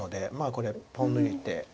これポン抜いて。